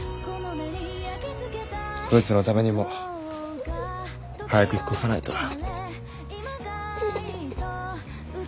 こいつのためにも早く引っ越さないとな。